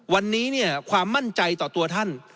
วันนี้เนี่ยความมั่นใจต่อตัวท่าน